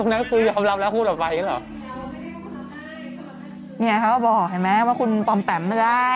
เนี่ยเขาก็บอกเห็นไหมว่าคุณต้องแปมได้ได้